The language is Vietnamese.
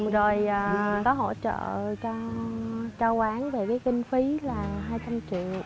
rồi có hỗ trợ cho quán về kinh phí là hai trăm linh triệu đồng